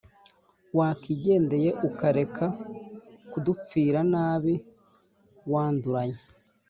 wakigendeye ukareka kudupfira nabi wanduranya!